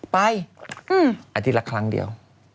ไปอาทิตย์ละครั้งเดียว